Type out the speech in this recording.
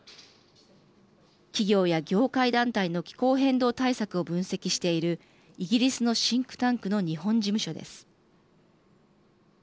企業や業界団体の気候変動対策を分析しているイギリスのシンクタンクの日本事務所です。